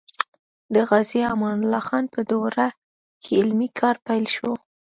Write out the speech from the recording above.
د غازي امان الله خان په دوره کې علمي کار پیل شو.